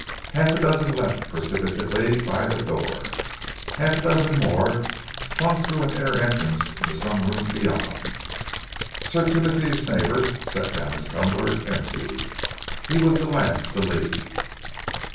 Half a dozen left precipitately by the door. Half a dozen more slunk through an inner entrance into some room beyond. Sir Timothy's neighbour set down his tumbler empty. He was the last to leave.